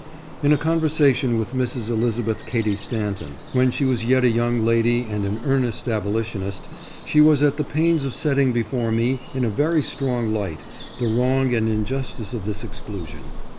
In a conversation with Mrs. Elizabeth Cady Stanton when she was yet a young lady and an earnest abolitionist, she was at the pains of setting before me in a very strong light the wrong and injustice of this exclusion.